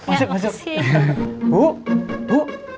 masuk terus terus